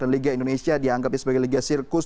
dan liga indonesia dianggap sebagai liga sirkus